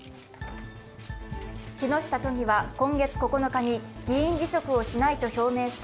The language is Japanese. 木下都議は今月９日に議員辞職をしないと表明した